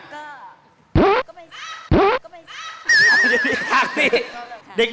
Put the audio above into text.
ก็ก็ไม่ก็ไม่